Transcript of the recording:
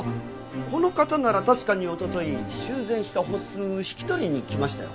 この方なら確かにおととい修繕した払子引き取りに来ましたよ。